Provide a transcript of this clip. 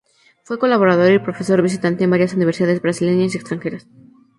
Fue colaborador y profesor visitante en varias universidades brasileñas y extranjeras.